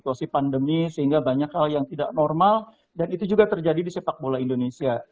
situasi pandemi sehingga banyak hal yang tidak normal dan itu juga terjadi di sepak bola indonesia